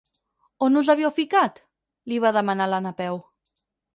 On us havíeu ficat? —li va demanar la Napeu.